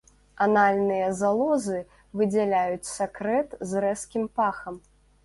Анальныя залозы выдзяляюць сакрэт з рэзкім пахам.